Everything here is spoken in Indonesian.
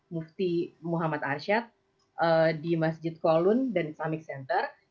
mufti muhammad arsyad di masjid qolun dan islamic center